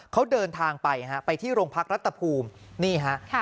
เขาเดินทางไปฮะไปที่โรงพักรัฐภูมินี่ฮะ